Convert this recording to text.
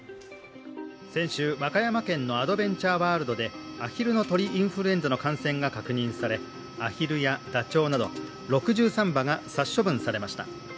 先週、和歌山県のアドベンチャーワールドでアヒルの鳥インフルエンザの感染が確認され、アヒルやダチョウなど６３羽が殺処分されました。